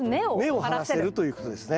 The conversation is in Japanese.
根を張らせるということですね。